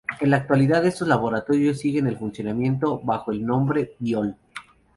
En la actualidad estos laboratorios siguen en funcionamiento, bajo el nombre Biol.